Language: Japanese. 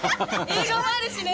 映画もあるしね。